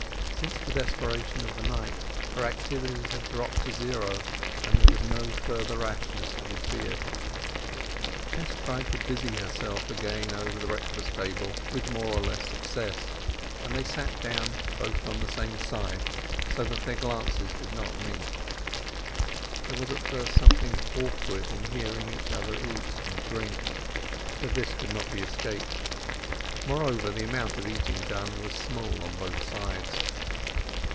Since the desperation of the night her activities had dropped to zero, and there was no further rashness to be feared. Tess tried to busy herself again over the breakfast table with more or less success, and they sat down both on the same side, so that their glances did not meet. There was at first something awkward in hearing each other eat and drink, but this could not be escaped; moreover, the amount of eating done was small on both sides.